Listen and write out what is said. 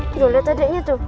duh letak letaknya tuh